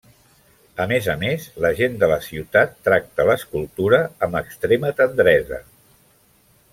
A més a més la gent de la ciutat tracta l'escultura amb extrema tendresa.